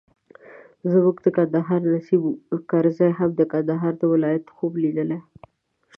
زموږ د کندهار نیسم کرزي هم د کندهار د ولایت خوب لیدلی.